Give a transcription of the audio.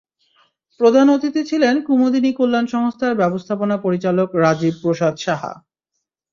প্রধান অতিথি ছিলেন কুমুদিনী কল্যাণ সংস্থার ব্যবস্থাপনা পরিচালক রাজীব প্রসাদ সাহা।